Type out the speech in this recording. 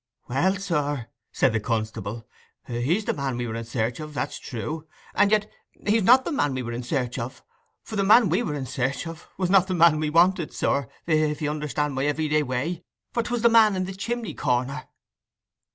'Well, sir,' said the constable, 'he's the man we were in search of, that's true; and yet he's not the man we were in search of. For the man we were in search of was not the man we wanted, sir, if you understand my everyday way; for 'twas the man in the chimney corner!